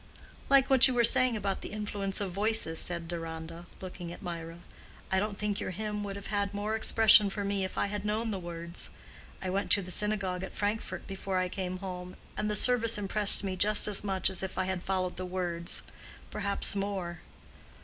"Like what you were saying about the influence of voices," said Deronda, looking at Mirah. "I don't think your hymn would have had more expression for me if I had known the words. I went to the synagogue at Frankfort before I came home, and the service impressed me just as much as if I had followed the words—perhaps more."